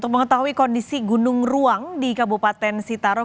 mengetahui kondisi gunung ruang di kabupaten sitaro